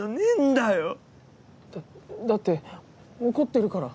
だだって怒ってるから。